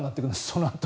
そのあと。